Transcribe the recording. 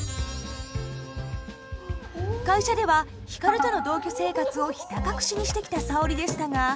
会社では光との同居生活をひた隠しにしてきた沙織でしたが。